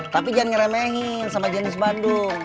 tapi jangan ngeremehin sama jenis bandung